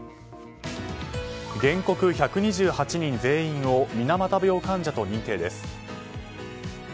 原告１２８人全員を水俣病患者と認定です。